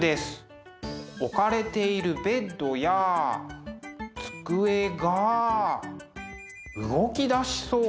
置かれているベッドや机が動きだしそうな。